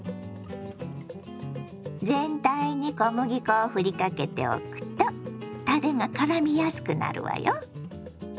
全体に小麦粉をふりかけておくとたれがからみやすくなるわよ。